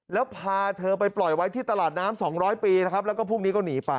แล้วพาเธอไปปล่อยไว้ที่ตลาดน้ำ๒๐๐ปีนะครับแล้วก็พรุ่งนี้ก็หนีไป